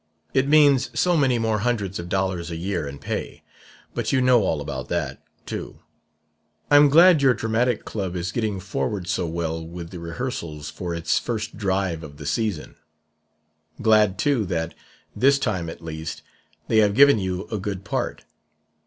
It means so many more hundreds of dollars a year in pay.' But you know all about that, too. "I'm glad your dramatic club is getting forward so well with the rehearsals for its first drive of the season; glad too that, this time at least, they have given you a good part.